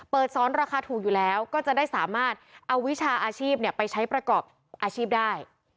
สอนราคาถูกอยู่แล้วก็จะได้สามารถเอาวิชาอาชีพไปใช้ประกอบอาชีพได้